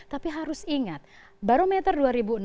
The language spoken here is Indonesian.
tapi harus ingat barometer dua ribu enam belas